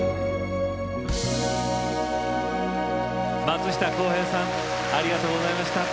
松下洸平さんありがとうございました。